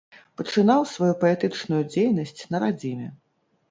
Пачынаў сваю паэтычную дзейнасць на радзіме.